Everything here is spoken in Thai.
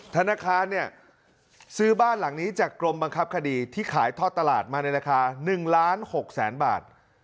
ธนาคารเนี่ยซื้อบ้านหลังนี้จากกรมบังคับคดีที่ขายทอดตลาดมาในราคา๑ล้าน๖แสนบาท